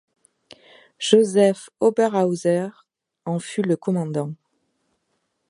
Josef Oberhauser en fut le commandant.